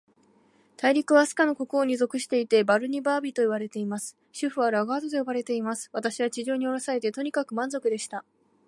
大陸は、飛島の国王に属していて、バルニバービといわれています。首府はラガードと呼ばれています。私は地上におろされて、とにかく満足でした。